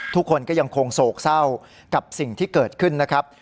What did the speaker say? ทุกคนก็ยังคงโศกเศร้ากับสิ่งที่เกิดขึ้นนะครับ